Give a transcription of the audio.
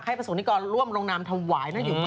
ให้ประสงค์นิกรร่วมรองนำถวาย